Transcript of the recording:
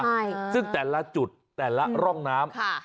ใช่ซึ่งแต่ละจุดแต่ละร่องน้ำค่ะ